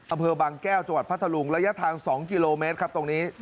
อำเภอบางแก้วจังหวัดพัทธรุงระยะทาง๒กิโลเมตรครับตรงนี้